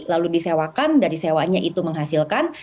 lalu disewakan dari sewanya itu menghasilkan